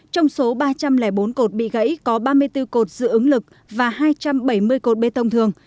trong số ba trăm linh bốn cột bị gãy có ba mươi bốn cột dự ứng lực và hai trăm bảy mươi cột bê tông thường